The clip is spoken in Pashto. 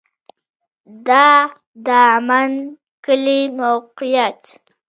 د دامن کلی موقعیت